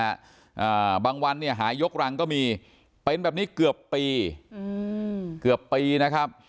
อ่าบางวันเนี่ยหายกรังก็มีเป็นแบบนี้เกือบปีอืมเกือบปีนะครับ